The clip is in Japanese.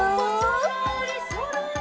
「そろーりそろり」